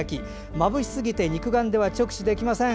まぶしすぎて肉眼では直視できません。